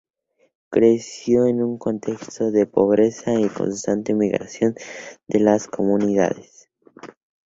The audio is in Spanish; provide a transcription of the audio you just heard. Creció en un contexto de pobreza y constante migración de las comunidades.